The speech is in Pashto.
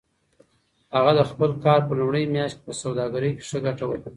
هغه د خپل کار په لومړۍ میاشت کې په سوداګرۍ کې ښه ګټه وکړه.